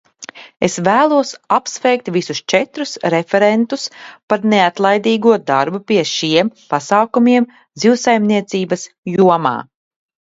Es vēlos apsveikt visus četrus referentus par neatlaidīgo darbu pie šiem pasākumiem zivsaimniecības jomā.